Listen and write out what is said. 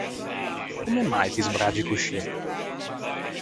Comme mai ti sbraggi coscì?